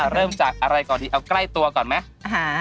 เริ่มจากอะไรก่อนดีเอาใกล้ตัวก่อนไหม